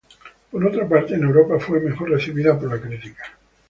Por otra parte, en Europa fue mejor recibida por la crítica.